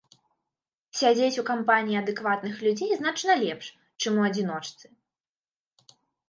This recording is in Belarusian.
Сядзець у кампаніі адэкватных людзей значна лепш, чым у адзіночцы.